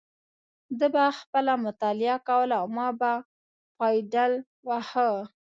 ده به خپله مطالعه کوله او ما به پایډل واهه.